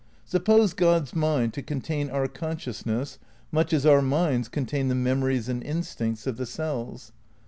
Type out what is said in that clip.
Suppose God's mind to contain our con sciousness much as our minds contain the memories and instincts of the cells.